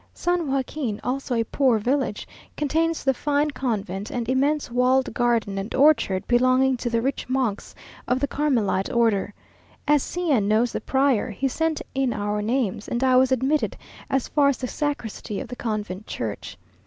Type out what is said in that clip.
San Joaquin, also a poor village, contains the fine convent and immense walled garden and orchard belonging to the rich monks of the Carmelite order. As C n knows the prior, he sent in our names, and I was admitted as far as the sacristy of the convent church.